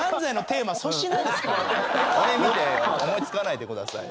俺見て思いつかないでくださいよ。